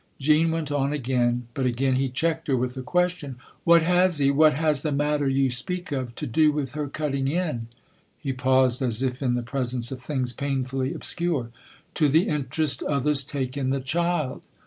Jean went on again ; but again he checked her with a question. "What has he, what has the matter you speak of, to do with her cutting in ?" He paused as if in the presence of things painfully obscure. " To the interest others take in the child